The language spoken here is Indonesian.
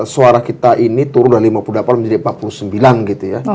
suara kita ini turun dari lima puluh delapan menjadi empat puluh sembilan gitu ya